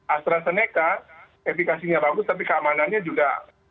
astrazeneca efekasinya bagus tapi keamanannya juga